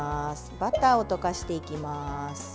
バターを溶かしていきます。